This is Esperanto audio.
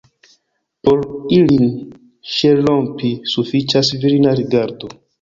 Por ilin ŝelrompi, sufiĉas virina rigardo.